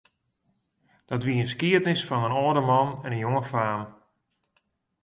Dat wie in skiednis fan in âlde man en in jonge faam.